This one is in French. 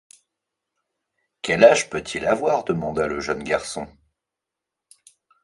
Quel âge peut-il avoir demanda le jeune garçon